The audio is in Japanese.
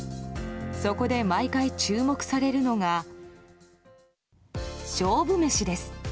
そこで毎回注目されるのが勝負メシです。